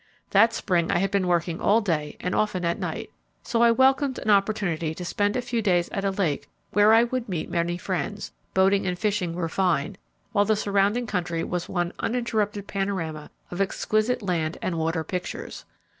That spring I had been working all day and often at night, so I welcomed an opportunity to spend a few days at a lake where I would meet many friends; boating and fishing were fine, while the surrounding country was one uninterrupted panorama of exquisite land and water pictures.